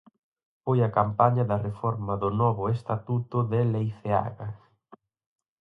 Foi a campaña da "reforma do novo Estatuto" de Leiceaga.